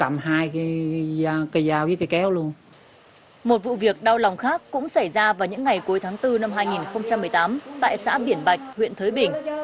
một vụ việc đau lòng khác cũng xảy ra vào những ngày cuối tháng bốn năm hai nghìn một mươi tám tại xã biển bạch huyện thới bình